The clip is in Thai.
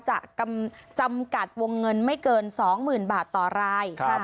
จะจำกัดวงเงินไม่เกิน๒๐๐๐บาทต่อราย